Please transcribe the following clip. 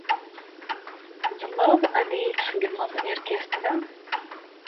Tzemreḍ ad iyi-tṣeggmeḍ irkasen-a?